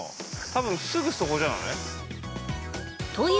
多分、すぐそこじゃない？